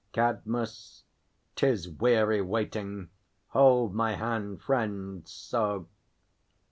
CADMUS. 'Tis weary waiting; hold my hand, friend; so.